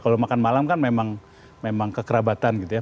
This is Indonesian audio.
kalau makan malam kan memang kekerabatan gitu ya